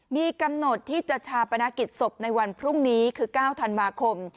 มีกำหนดที่จะชาปนกิจศพในวันพรุ่งนี้คือ๙ธันวาคม